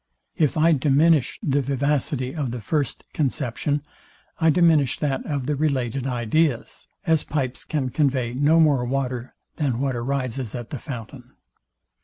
If I diminish the vivacity of the first conception, I diminish that of the related ideas; as pipes can convey no more water than what arises at the fountain.